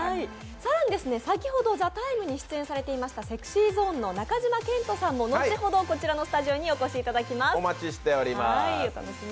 更に先ほど「ＴＨＥＴＩＭＥ，」に出演されていましたＳｅｘｙＺｏｎｅの中島健人さんも後ほどこちらのスタジオにお越しいただきます、お楽しみに。